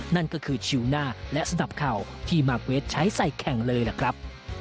นั่นก็คือชิวหน้าและสนับเข่าที่มาร์เกรทใช้ใส่แข่งเลยล่ะครับ